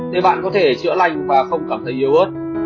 để bạn có thể chữa lành và không cảm thấy yếu ớt